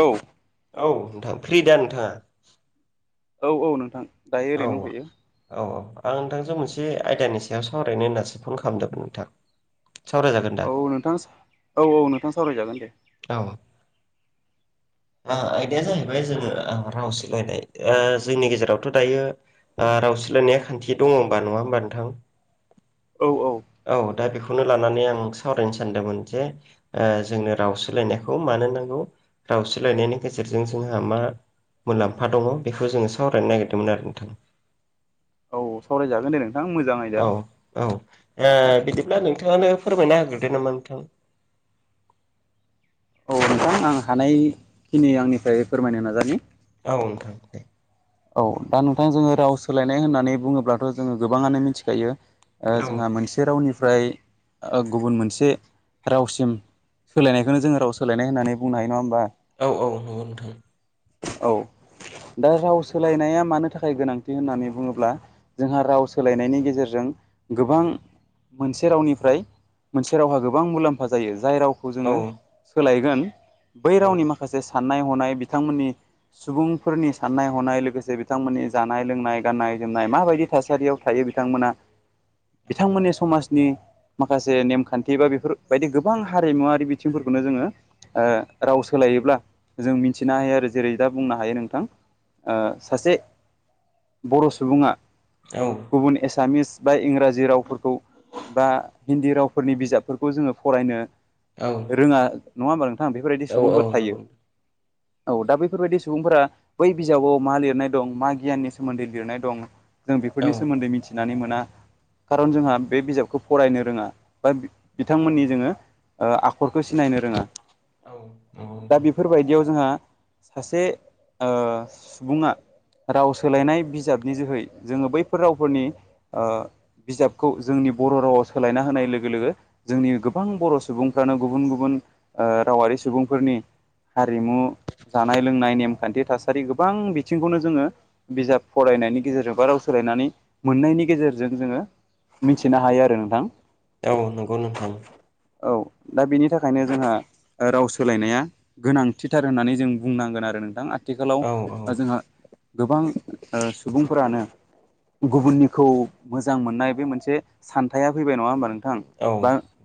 औ औ नोंथां फ्रि दा नोंथाङा? औ औ नोंथां दायो औ ओरैनो दंथ'यो औ औ आं नोंथांजों मोनसे आयदानि सायाव सावरायनो होननासो फन खालामदोंमोन नोंथां सावरायजागोन दा औ नोंथां औ औ नोंथां सावरायजागोन दे औ आयदाया जाहैबाय जोङो राव सोलायनाय जोंनि गेजेरावथ' दायो राव सोलायनाया खान्थि दङ होमबा नङा होमबा नोंथां? औ दा बे खौनो लानानै आं सावरायनो सानदोंमोन जे जोंनो राव सोलायनायखौ मानो नांगौ राव सोलायनायनि गेजेरजों जोंहा मा मुलाम्फा दङ बेखौ जोङो सावरायनो नागिरदोंमोन आरो नोंथां। औ सावरायजागोन दे नों औ औ बिदिब्ला नोंथाङानो फोरमायना होग्रोदो नामा नोंथां। औ नोंथां आं हानायखिनि आंनिफ्राय फोरमायनो नाजानि। औ नोंथां दे। औ दा नोंथां जोङो राव सोलायनाय होननानै बुङोब्लाथ' जोङो गोबाङानो मिथिखायो औ जोंहा मोनसे रावनिफ्राय गुबुन मोनसे रावसिम सोलायनायखौनो जोङो राव सोलायनाय होननानै बुंनो हायो नङा होनबा? औ औ नंगौ नोंथां। औ दा राव सो लायनाया मानो थाखाय गोनांथि होननानै बुङोब्ला जोंहा राव सोलायनायनि गेजेरजों गोबां मोनसे रावनिफ्राय मोनसे रावहा गोबां मुलाम्फा जायो जाय राव खौ जों औ सोलायगोन बै औ रावनि माखासे साननाय हनाय बिथांमोननि सुबुंफोरनि साननाय हनाय लो गोसे बिथांमोननि जानाय लोंनाय गाननाय जोमनाय माबायदि थासारियाव थायो बिथांमोना बिथांमोननि समाज नि माखासे नेमखान्थि बा बेफोरबायायदि गोबां हारिमुवारि बिथिंफोरखौनो जोङो राव सोलायोब्ला जों मिथिनो हायो आरो जेरै दा बुंनो हायो नोंथां सासे बर' सुबुङा औ गुबुन एसामिस बा इंराजि रावफोरखौ बा हिन्दी रावफोरनि बिजाबफोरखौ जोङो फरायनो औ रोङा नङा होमबा नोंथां बेफोरबायदि औ औ सुबुंफोर थायो नंगौ औ दा बैफोरबायदि सुबुंफोरा बै बिजाबाव मा लिर लिरनाय दं मा गियनि सोमोन्दै लिरनाय दं जों औ बेफोरनि सोमोन्दै मिथिनानै मोना खारन जोंहा बे बिजाबखौ फरायनो रोङा बा बिथांमोननि जोङो आखरखौ सिनायनो रोङा औ औ नंगौ दा नोंथां बेफोरबायदियाव जोंहा सासे सुबुङा राव सोलायनाय बिजाबनि जोहै जोङो बैफोर रावफोरनि बिजाबखौ जोंनि बर' रावाव सोलायना होनाय लोगो लोगो जोंनि गोबां बर' सुबुंफ्रानो गुबुन गुबुन रावारि सुबुंफोरनि हारिमु जानाय लोंनाय नेमखान्थि थासारि गोबां बि बिथिंखौनो जोङो बिजाब फरायनायनि गेजेरजों बा राव सोलायनानै मोननायनि गेजेरजों जोङो मिनथिनो हायो आरो नोंथां औ नंगौ नोंथां औ दा बेनि थाखायनो जोंहा राव सोलायनाया गोनांथिथार होननानै जों बुंनांगोन आरो नोंथां आथि आथिखालाव औ औ जोंहा गोबां सुबुंफोरानो गुबुननिखौ मोजां मोननाय बे मोनसे सानथाया फैबाय नङा होमबा नोंथां बा औ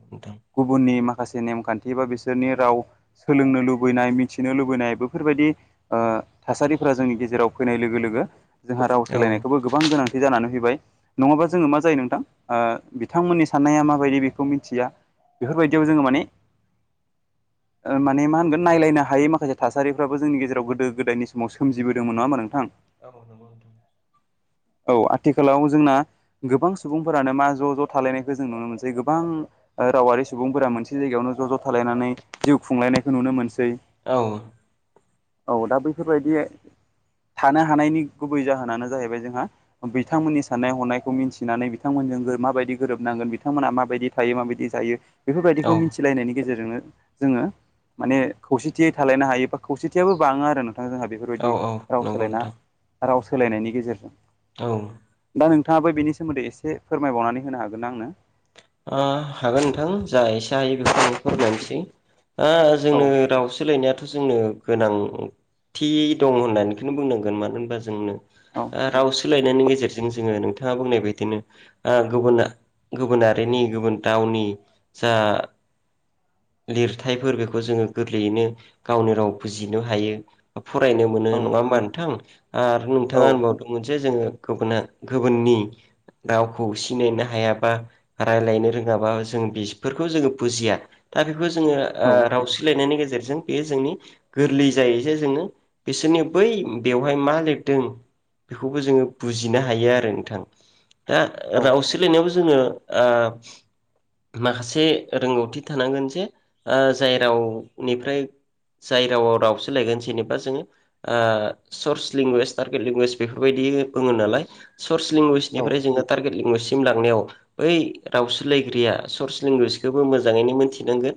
नोंथां गुबुननि माखासे माखासे नेमखान्थि बा बिसोरनि राव सोलोंनो लुबैनाय मिथिनो लुबैनाय बेफोरबायदि थासारिफोरा जोंनि गेजेराव फैनाय लोगो लोगो जोंहा राव औ सोलायनायखौबो गोबां गोनांथि जानानै फैबाय औ नङाबा जोङो मा जायो नोंथां बिथांमोननि साननाया माबायदि बेखौ मिथिया बेफोरबायदियाव औ जोङो माने माने मा होनगोन नायलायनो हायै माखासे थासारिफ्राबो जोंनि गेजेराव गोदो गोदायनि समावसो सोमिबोदों नङा होमबा नोंथां [unintelligible] [unintelligible] औ आथिखालाव जोंना गोबां सुबुंफोरानो मा ज' ज' थालायनायखौ जों नुनो मोनसै गोबां रावारि सुबुंफोरा मोनसे जायगायावनो ज' ज' थालायनानै जिउ खुंलायनायखौ नुनो मोनसै औ औ दा बैफोरबायदि थानो हानायनि गुबै जाहोनानो जाहैबाय जोंहा बिथांमोननि साननाय हनायखौ मिन्थिनानै बिथांमोनजों माबायदि गोरोबनांगोन बिथांमोना माबायदि थायो माबायदि जायो औ बेफोरबायदिखौ मिथिनायनि गेजेर रजोंनो जोङो माने खौसेथियै थालायनो हायो बा खौसेथियाबो बाङो आरो नों थां जोंहा बेफोरबायदि अ राव नंगौ सोलायना नोंथां। राव सोलायनायनि गेजेरजों। औ। दा नोंथाङाबो बेनि सोमोन्दै एसे फोरमायबावनानै होनो हागोन ना आंनो? ओ हागोन नोंथां। जा एसे हायो बेखौ आं फोरमायनसै। आ औ जोंनो राव सालायनाया थ' जोंनो गोनांथि दं होननानैखौनो बुंनांगोन मानो होनबा जोंनो औ आ राव सोलायनायनि गेजेरजों जोङो नोंथाङा बुंनाय बायदिनो आ गुबुना गुबुना हारिनि गुबुन रावनि जा लिरथायफोर बेखौ जोङो गोरलैयैनो गावनि राव बुजिनो हायो बा फरायनो मोनो। नङा होमबा नोंथां? आरो औ नोंथाङा होनबावदोंमोन जे जोङो गुबुना गुबुननि रावखौ सिनायनो हायाबा रायलायनो रोङाबा जों बिसफोरखौ जोङो बुजिया। खो जोङो औ राव सोलायनायनि गे जेरजों बेयो जोंनि गोरलै जायो जे जोङो बिसोरनि बै बेवहाय मा लिरदों बेखौबो जोङो बुजिनो हायो आरो नोंथां। दा औ राव सलायनायाव जोङो आ माखासे रोंगौथि थानांगोन जे आ जाय रावनिफ्राय जाय रावआव राव सोलायगोन जेनेबा जोङो सर्स लेंगुवेज टारगेट लेंगुवेज बेफोरबायदि [unintelligible] नालाय सर्स लेंगुवेज निफ्राय जोङो टारगेट लेंगुवेज सिम लांनायाव बै रावस्रिलायग्राया सर्स लेंगुवेजखौबो मोजाङैनो मोनथिनांगोन।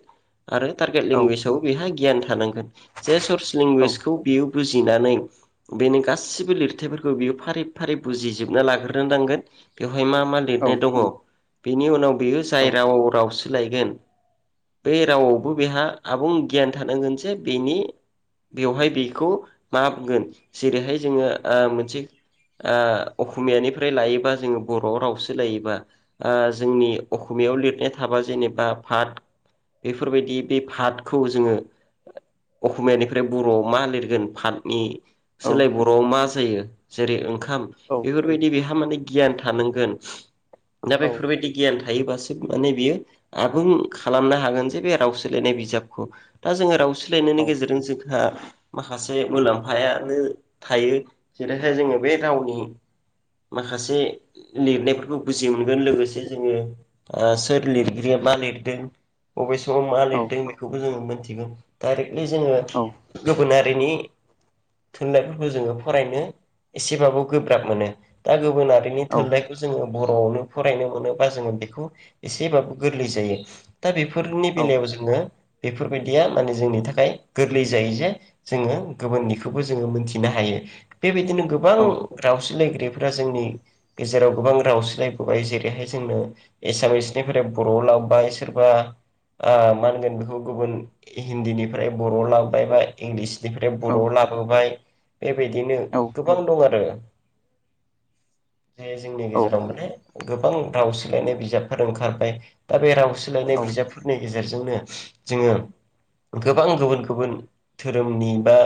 आरो टारगेट औ लेंगुवेजाव बेहा गियान थानांगोन जे सर्स लेंगुवेजखौ बियो बुजिनानै बेनि गासिबो लिरथाइफोरखौ बियो फारि फारि बुजिजोबना लाग्रोनो नांगोन बेव हाय मा मा औ लिरनाय दङ बेनि उनाव बियो जाय रावाव राव सोलायगोन बे रावआवबो बेहा आबुं गियान थानांगोन जे बेनि बेवहाय बेखौ मा बुंगोन जेरैहाय जोङो ओ मोनसे ओ अखमियानिफ्राय लायोबा जोङो बर' राव सोलायोबा ओ जोंनि अखमि याव लिरनाय थाबा जेनेबा भात बेफोरबायदि बे भातखौ जोङो अखमियानिफ्राय बर'आव मा लिरगोन भातनि सोलाय बर'आव मा जायो जेरै ओं खाम औ बेफोरबायदि बेहा माने गियान थानांगोन दा बेफोरबायदि गियान थायोबासो माने बियो आ बुं खालामनो हागोन जे बे राव सोलायनाय बिजाबखौ। दा जोङो राव सोलायनायनि गेजेरजों जोंहा माखासे मुलाम्फायानो थायो जेरैखाय जोङो बे रावनि माखासे लिरनायफोरखौ बुजि मोनगोन लोगोसे जोङो ओ सोर लिरगिरिया मा लिर लिरदों बबे समाव मा लिरदों बेखौबो जोङो मोनथिगौ दायरेग नि जोङो गुबुना [unintelligible] थुनलाइफोरखौ जोङो फरायनो एसेबाबो गोब्राब मोनो दा गुबुनारिनि थोनलाइखौ जोङो बर'आवनो फरायनो मोनोबा जोङो बेखौ एसेबाबो गोरलै जायो। दा बेफोरनि औ औ बेलायाव जोङो बेफोरबायदिया माने जोंनि थाखाय गोरलै जायो जे जोङो गुबुननिखौबो जोङो मोनथिनो हायो। बेबायदिनो गोबां औ रावसलायगिरि फोरा जोंनि गेजेराव गोबां राव सोलायबोबाय जेरैहाय जोंनो एसामिसनिफ्राय बर' लाब्बाय। सोरबा ओ मा होनगोन बेखौ गुबुन हिन्दी निफ्राय बर' लाबोबाय बा इंलिस निफ्राय औ बर'आव लाबोबाय ए बेदिनो औ गोबां दं आरो। जे जोंनि औ गेजेराव माने गोबां राव सोलायनाय बिजाबफोर ओंखारबाय दा बे राव सोलायनाय औ बिजाबफोरनि गेजे जेर जोंनो जोङो गोबां गुबुन गुबुन धोरोमनि बा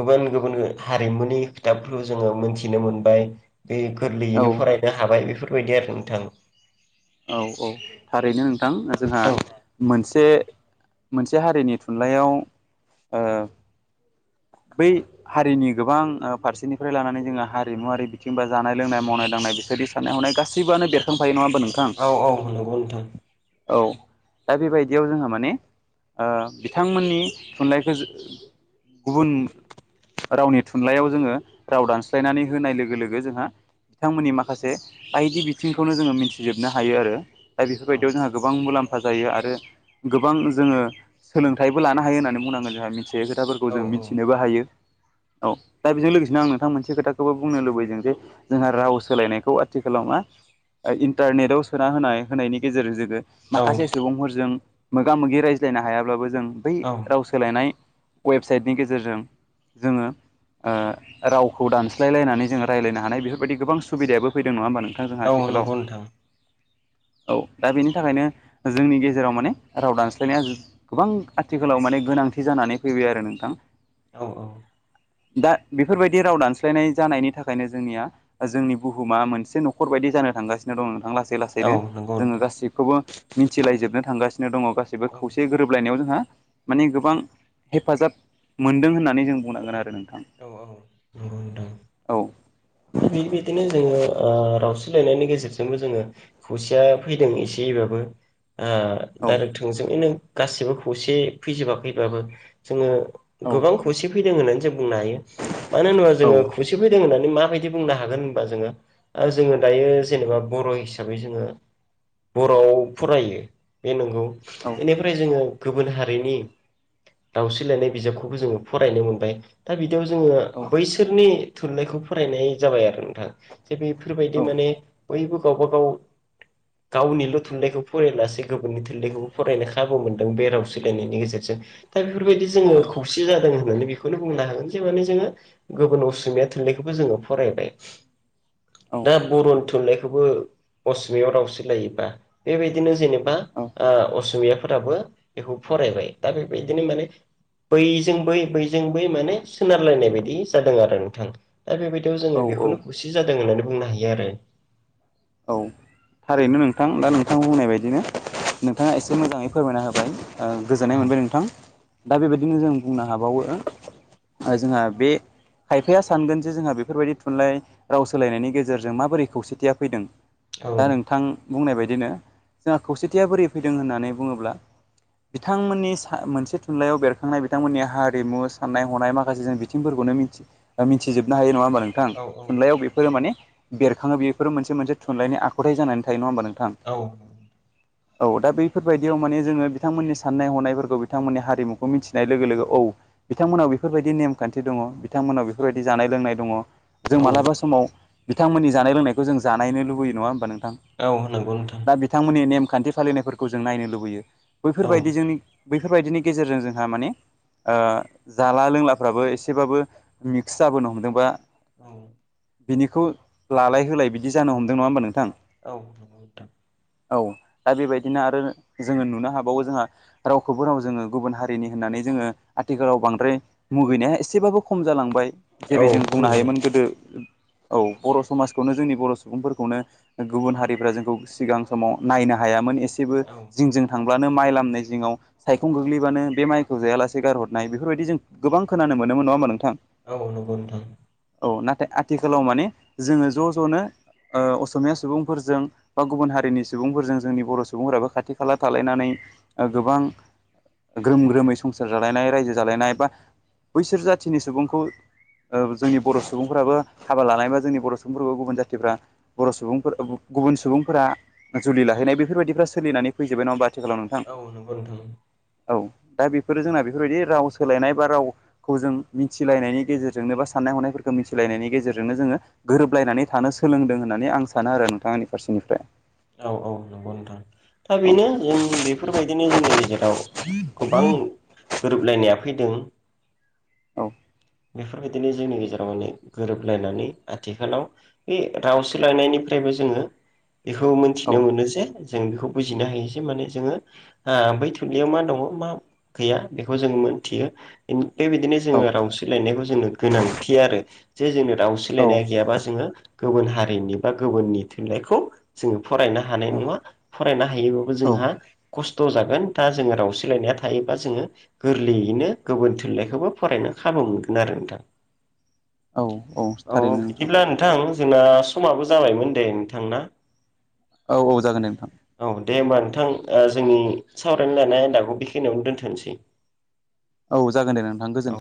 गुबुन गुबुन हारिमुनि खोथाबफोरखौ जोङो मोनथिनो मोनबाय। बे गोरलैयैनो फरायनो हाबाय बेफोरबायदि आरो नोंथां। औ औ थारैनो नोंथां जोंहा औ मोनसे मोनसे हारिनि थुनलाइयाव ओ बै हारिनि गोबां ओ फारसेनिफ्राय लानानै जोङा हारिमुवारि बिथिं बा जानाय लोंनाय मावनाय दांनाय [unintelligible] साननाय हनाय गासिबोआनो बेरखांफायो नङा होमबा नोंथां औ औ नंगौ नोंथां औ। दा बेबायदियाव जोंहा माने ओ बिथांमोननि थुनलाइखो जो गुबुन रावनि थुनलाइयाव जोङो राव दानस्लायनानै होनाय लोगो लोगो जोंहा बिथांमोननि माखासे बायदि बिथिंखौनो जोङो मिथिजोबनो हायो आरो। दा औ बेफोरबायदियाव जोंहा गोबां मुलाम फा जायो आरो गोबां जोङो सोलोंथाइबो लानो हायो होननानै बुंनांगोन जोंहा मिथि थि हायि खोथाफोरखौ औ जों औ मिथिनोबो हायो। औ दा बेजों लोगोसेनो आं नोंथां मोनसे खोथाखौबो बुंनो लुबैदों जे जोंहा राव सोलायनायखौ आथिखालाव नङा ओ इन्टारनेटआव सोना होनाय होनायनि गेजेर जोगो औ माखासे सुबुंफोरजों मोगा मोगि रायज्लायनो हायाब्लाबो जों बै राव सोलायनाय वेबसाइटनि गेजेरजों जोङो ओ रावखौ दानस्लायलायनानै जोङो रायलायनो हानाय बेफोरबायदि गोबां सुबिदायाबो फैदों नङा होमबा नों औ औ नंगौ नोंथां। [inaudible] औ दा बेनि थाखायनो जोंनि गेजेराव माने राव दानस्लायनाया गोबां आथिखालाव माने गोन नांथि जानानै फैबाय आरो नोंथां। औ औ। दा बेफोरबायदि राव दानस्लायनाय जानायनि थाखायनो जोंनिया जोंनि बुहुमा मोनसे न'खर बायदि जानो थांगासिनो दं नोंथां लास सै औ लासैनो नंगौ जोङो नोंथां गाैखौबो मिथिलायजोबनो थांगासिनो दङ गासिबो औ खौसे गोरोबलायनायाव जों हो माने गोबां हेफाजाब मोनदों होननानै जों बुंनांगोन आरो नों औ औ नंगौ नोंथां। औ दा बिदि बिदिनो जोङो ओ राव सोलायनायनि गेजेरजोंनो जोङो खौसेया फैदों एसेबाबो। ओ औ डायरेक्ट थोंजोंयैनो गासिबो खौसे फैजोबाखैबाबो जोङो औ गोबां खौसे फैदों होननानै जों बुंनो हायो मानो होनोबा औ जोङो खौसे फैदों होननानै मा दि बुंनो हागोन होनबा जोङो जोङो दायो जेनेबा बर' हिसाबै जोङो बर'आव फरायो बे नंगौ औ एनिफ्राय जोङो गुबुन हारिनि दावस्रिलायनाय बिजाबखौबो जोङो फरायनो मोनबाय दा बि बियाव जोङो औ बैसोरनि थुनलाइखौ फरायनाय जाबाय आरो नों थां जे बेफोरबायदि औ माने बयबो गावब गाव गावनिल' थुनलाइखौ फरायलासे गुबुननि थुनलाइखौबो फरायनो खाबु मोनदों बे राव सोोलायनायनि गेजेरजों। दा बेफोरबायदि जोङो खौसे जादों होननानै बेखौनो बुंनो हागोन जे माने जोङो गुबुन असमिया थुनलाइखौबो जोङो फरायबाय। दा बर' थुनलाइखौबो असमियाव राव सोलायोबा बेबायदिनो जेनेब बा ओ असमियाफोराबो बेखौ फरायबाय दा बेबायदिनो माने बैजों बै बैजों बै माने सोनारलायनाय बायदि जादों आरो नोंथां दा बेबाय दियाव औ जोङो औ बेखौनो खौसे जादों होननानै बुंनो हायो आरो। औ थारैनो नोंथां दा नोंथां बुंनाय बाय दिनो नोंथाङा एसे मोजाङै फोरमायना होबाय गोजोननाय मोनबाय औ नोंथां। दा बेबायदिनो जों बुंनो हाबावो ओ जोंहा बे खायफाया सानगोन जे जोंहा बेफोरबायदि थुनलाइ राव सोलायनायनि गेजेरजों माबोरै खौसेथिया फैदों दा नोंथां बुंनाय बायदिनो जोंहा खौसेथिया बोरै फैदों होननानै बुङोब्ला बिथांमोननि मोनसे थुनलाइयाव बेरखांनाय बिथांमोननि हारिमु साननाय हनाय माखासे जों बिथिंफोरखौ मिथिजोबनो हायो नङा होनब नोंथां औ थुनलाइयाव बेफोरो माने बेरखाङो बेफोरो मोनसे मोनसे थुनलाइनि आखुथाय जानानैायो नङा होमबा नोंथां औ औ दा बैफोरबायदियाव माने जोङो बिथांमोननि साननाय हनायफोरखौ बिथांमोननि हारिमुखौ मिथिनाय लोगो लोगो औ बिथांमोनाव बेफोरबायदि नेमखान्थि दङ बिथांमोनाव औ बेफोरबायदि जानाय लोंनाय दङ जों औ मालाबा समाव बिथांमोननि जानाय लोंनायखौ जों जानायनो लुबैयो लुबैयो नङा होमबा नोंथां औ नंगौ नोंथां दा बिथांमोननि नेमखान्थि फालिनायफोरखौ जों नायनो लुबैयो औ बैफोरबायदि जोंनि बैफोरबायदिनि गेजेरजों जोंहा माने जाला लोंलाफ्राबो एसेबाबो मिक्स जाबोनो हमदोंबा औ बिनिखौ लालाय होलाय बिदि जानो हमदों नङा होमबा नोंथां औ नांगौ नोंथां। औ दा बेबायदिनो आरो जोङो नुनो हाबावो जोंहा रावखौबो राव जोङो गुबुन हारिनि होननानै जोङो आथिखालाव बांद्राय मुगैनाया एसेबाबो खम जालांबाय। औ जेरै जों बुंनो खमायबाय हायोमोन गोदो औ बर' समाजखौनो जोंनि बर'। सुबुंफोरखौनो गुबुन हारिफ्रा जोंखौ सिगां समाव नायनो हायामोन एसेबो औ जिंजों थां। बानो माइ लामनाय जिाव सायखं गोग्लैबानो बे माइखौ जायालासे गारहरनाय बेफोरबायदि जों गोबां खोनानो मोन। मोनोमोन नङा ओमबा नोंथां। औ नोंगौ नोंथां। औ नाथाय आथिखालाव माने जोङो ज' ज'नो। ओ असमिया सुबुंफोरजों बा गुबुन हारिनि सुबुंफोरजों जोंनि बर' सुबुंफोराबो खाथि खाला थालायनानै। ओ गोबां ग्रोम ग्रोमै संसार जालायनाय रायजो जालायनाय बा। बैसोर जाथिनि सुबुंखौ। ओ जोंनि बर' सुबुंफ्राबो हाबा लानायबा जोंनि बर' सुबुंफोरखौ गुबुन जाथिफ्रा। बर' सुबुंफोर गु गुबुन सुबुंफोरा जुलि लाहैनाय बेफोरबायदिफ्रा सोलिनानै फैजोबोबाय नङा हबा। औ नोंगौ नोंथां। औ दा बेफोरो जोंना बेफोरबायदि राव सोलायनाय बा रावखौ जों मिथिलायनायनि गेजेरजोंनो बा साननाय हनायफोरखौ। मिथिलायनायनि गेजेरजोंनो जोङो गोरोबलायनानै थानो सोलोंदों होननानै आं सानो आरो नोंथांनि फारसेनिफ्राय। औ- औ -नंगौ नोंथां। दा औ बेनो जों बेफोरबायदिनो जोंनि गेजेराव गोबां। गोरोबलायनाया फैदों। औ। बेफोरबायदिनो जोंनि गेजेराव माने गोरोबलायनानै आथिखालाव बे राव सोलायनायनिफ्राय। बेखो जोङो बेखौ औ मोनथिनो मोनो जे। जों बेखौ बुजिनो हायो जे माने जोङो ओ बै थुनलाइयाव मा दङ मा गैया बेखौ जों मोन। मिथियो बेबायदिनो औ जोङो राव सो। जोंनो गोनांथि आरो जे जोंनो राव औ सोलायनाया गैयाबा जोङो। गुबुन हारिनि बा गुबुननि थुनलाइखौ जोङो। फरायनो हानाय नङा फरायनो हायोबाबो औ जोंहा खस। खस्थ' जागोन दा जोङो रावसोलायनाया थायोबा जोङो गोरलैयैनो गुबुन थुनलाइखौबो फरायनो ह। खाबु मोनगोन आरो नोंथां औ बिदिब्ला नोंथां। जोंना समाबो जाबायमोन दे नोंथांना। औ -औ -जागोन दे नोंथां। दे होमबा नोंथां ओ जों। औ जागोन दे नोंथां गोजोन्थों।